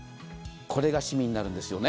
これが染みになるんですよね。